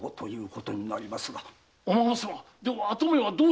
お孫様では跡目は？